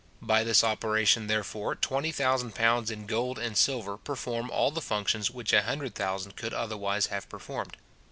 By this operation, therefore, twenty thousand pounds in gold and silver perform all the functions which a hundred thousand could otherwise have performed.